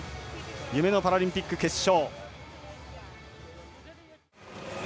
夢のパラリンピック決勝。